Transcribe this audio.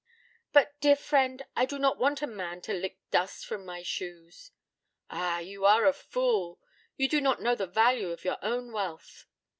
'But, dear friend, I do not want a man to lick dust from my shoes.' 'Ah, you are a fool. You do not know the value of your own wealth.'